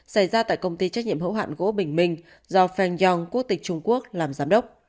xảy ra tại công ty trách nhiệm hữu hạn gỗ bình minh do feng yong quốc tịch trung quốc làm giám đốc